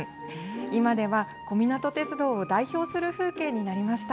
今では小湊鉄道を代表する風景になりました。